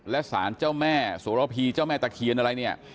และศาลเจ้าแม่สวรพีเจ้าแม่ตะเคียนอะไร